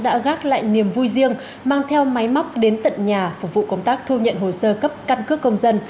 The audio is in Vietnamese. đã gác lại niềm vui riêng mang theo máy móc đến tận nhà phục vụ công tác thu nhận hồ sơ cấp căn cước công dân